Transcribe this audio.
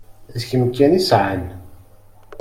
D kemm kan i sɛan.